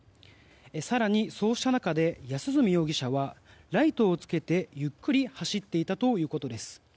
更にそうした中で安栖容疑者はライトをつけて、ゆっくり走っていたということです。